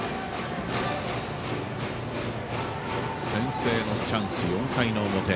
先制のチャンス、４回の表。